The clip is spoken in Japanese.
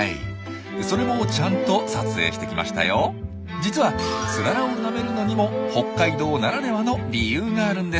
実はツララをなめるのにも北海道ならではの理由があるんです。